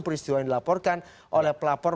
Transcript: peristiwa yang dilaporkan oleh pelapor